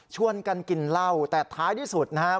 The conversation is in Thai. ชวนกันกินเหล้าแต่ท้ายที่สุดนะครับ